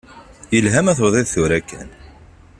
Yelha ma tebdiḍ tura kan.